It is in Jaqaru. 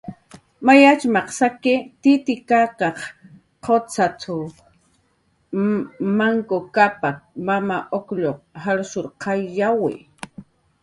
"May atxmaq saki, Titikak qucxat""mn Manku Kapak, Mama Uklluq salshurqayawi"